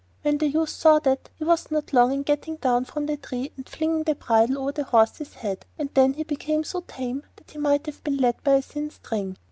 When the youth saw that, he was not long in getting down from the tree and flinging the bridle over the horse's head, and then he became so tame that he might have been led by a thin string.